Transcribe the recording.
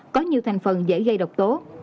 có nhiều thành phần dễ gây độc tố